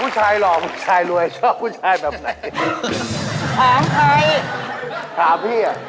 ครับ